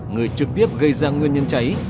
người trực tiếp gây ra nguyên nhân cháy